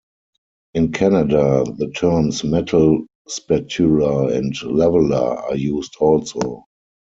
In Canada, the terms metal spatula and leveler are used also.